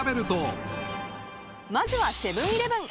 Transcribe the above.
まずはセブン−イレブン。